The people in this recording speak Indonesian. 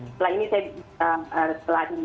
setelah ini saya bisa selagi